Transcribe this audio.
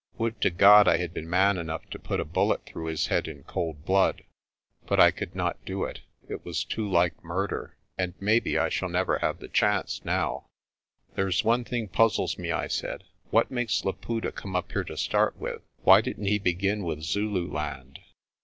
Would to God I had been man enough to put a bullet through his head in cold blood. But I could not do it it was too like murder; and maybe I shall never have the chance now." 104 PRESTER JOHN "There's one thing puzzles me," I said. "What makes Laputa come up here to start with? Why didn't he begin withZululand?"